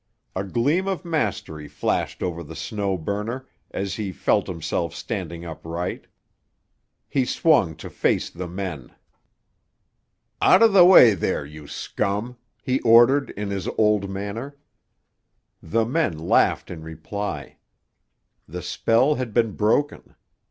A gleam of mastery flashed over the Snow Burner as he felt himself standing upright. He swung to face the men. "Out of the way there, you scum!" he ordered, in his old manner. The men laughed in reply. The spell had been broken.